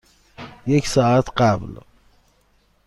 یک ساعت قبل.